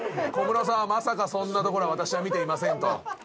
小室さんはまさかそんなところは私は見ていませんと。